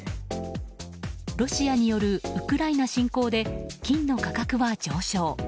ロシアによるウクライナ侵攻で金の価格は上昇。